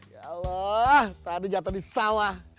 ya allah tadi jatuh di sawah